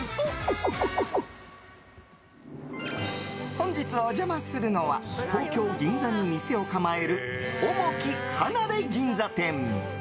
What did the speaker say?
本日お邪魔するのは東京・銀座に店を構えるおもき離れ銀座店。